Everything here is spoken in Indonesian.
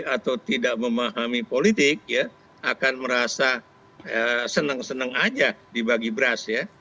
atau tidak memahami politik ya akan merasa senang senang aja dibagi beras ya